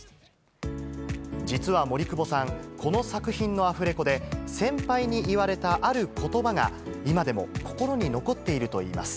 実は森久保さん、この作品のアフレコで、先輩に言われた、あることばが今でも心に残っているといいます。